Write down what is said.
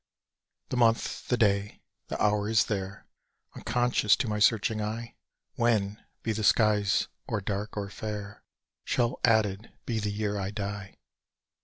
The month, the day, the hour is there, Unconscious to my searching eye When, be the skies or dark or fair, Shall added be the Year I die!